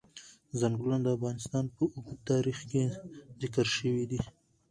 ځنګلونه د افغانستان په اوږده تاریخ کې ذکر شوی دی.